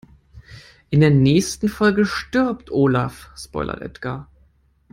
In der nächsten Folge stirbt Olaf, spoilert Edgar.